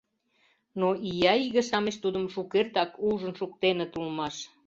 Но ия иге-шамыч тудым шукертак ужын шуктеныт улмаш.